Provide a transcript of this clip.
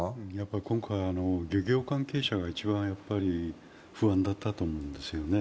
今回、漁業関係者が一番不安だったと思うんですよね。